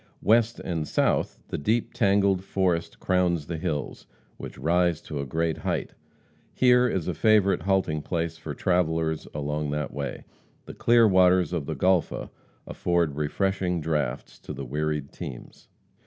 West and south the deep, tangled forest crowns the hills, which rise to a great height. Here is a favorite halting place for travelers along that way. The clear waters of the Golpha afford refreshing draughts to the wearied teams.